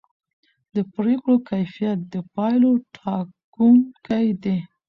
د پرېکړو کیفیت د پایلو ټاکونکی دی